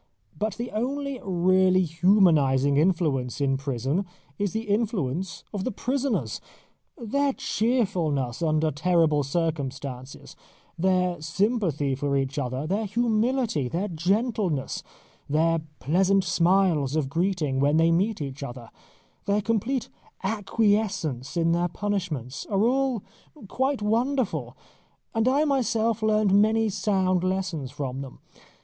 But the only really humanising influence in prison is the influence of the prisoners. Their cheerfulness under terrible circumstances, their sympathy for each other, their humility, their gentleness, their pleasant smiles of greeting when they meet each other, their complete acquiescence in their punishments, are all quite wonderful, and I myself learnt many sound lessons from them.